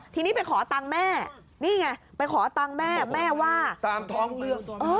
ทีนี้ไปขอตังค์แม่นี่ไงไปขอตังค์แม่แม่ว่าตามท้องเรื่อง